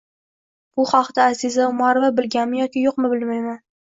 Bu haqda Aziza Umarova bilganmi yoki yo'qmi, bilmayman